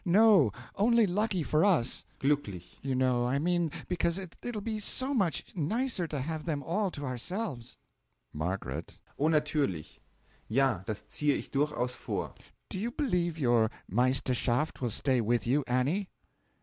no only lucky for us glucklich, you know I mean because it'll be so much nicer to have them all to ourselves. M. Oh, naturlich! Ja! Dass ziehe ich durchaus vor. Do you believe your Meisterschaft will stay with you, Annie?